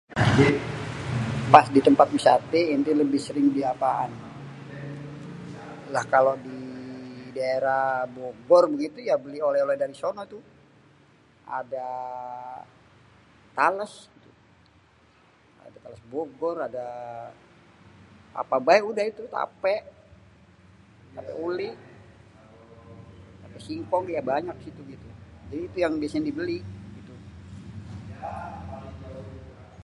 Pas di tempat wisaté enté lebih sering beli apaan? Lah kalo di daerah Bogor begitu ya, beli oleh-oleh dari sono tuh. Ada tales, ada tales bogor, ada apa bae udah itu, tapé, tapé uli, tapé singkong gitu. Jadi, itu yang biasa dibeli.